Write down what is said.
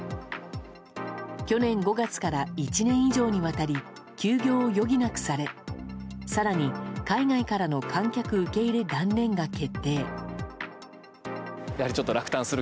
去年５月から１年以上にわたり休業を余儀なくされ更に、海外からの観客受け入れ断念が決定。